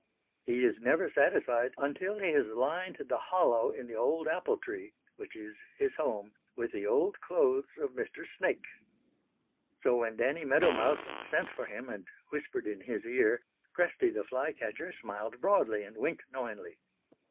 He is never satisfied until he has lined the hollow in the old apple tree, which is his home, with the old clothes of Mr. Snake. So when Danny Meadow Mouse sent for him and whispered in his ear Cresty the Fly catcher smiled broadly and winked knowingly.